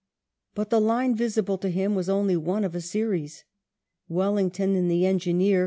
But the line visible to him was only one of a series. Wellington and the engineer.